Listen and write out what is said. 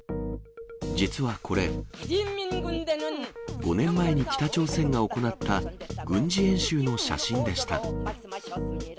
実はこれ、５年前に北朝鮮が行った軍事演習の写真でした。